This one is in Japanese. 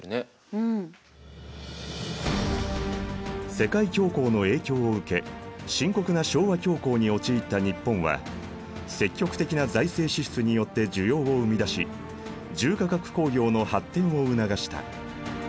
世界恐慌の影響を受け深刻な昭和恐慌に陥った日本は積極的な財政支出によって需要を生み出し重化学工業の発展を促した。